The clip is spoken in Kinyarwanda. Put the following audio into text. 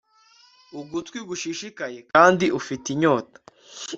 Ugutwi gushishikaye kandi ufite inyota